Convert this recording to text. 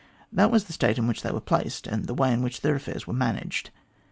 That was the state in which they were placed, and the way in which their affairs were managed.